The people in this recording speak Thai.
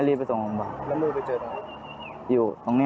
แล้วนู่ไปเจออยู่ด้านนี้